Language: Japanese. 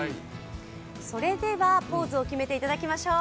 それではポーズを決めていただきましょう。